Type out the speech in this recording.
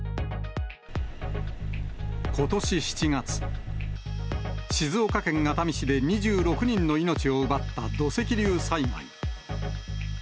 ことし７月、静岡県熱海市で２６人の命を奪った土石流災害。